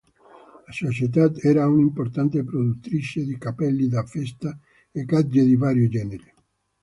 La società era un'importante produttrice di cappelli da festa e gadget di vario genere.